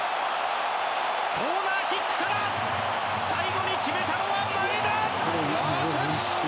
コーナーキックから最後に決めたのは前田！